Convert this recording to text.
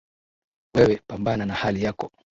Wewe pambana na hali yako